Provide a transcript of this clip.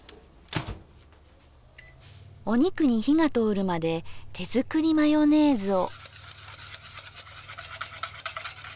お肉に火が通るまで手作りマヨネーズを。